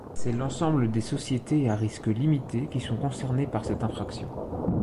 C'est l'ensemble des sociétés à risque limité qui sont concernées par cette infraction.